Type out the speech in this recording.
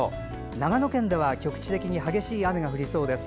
長野県では局地的に激しい雨が降りそうです。